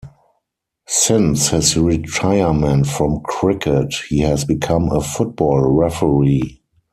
Since his retirement from cricket, he has become a football referee.